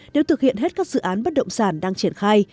nếu thực hiện hết các dự án bất động sản đang triển khai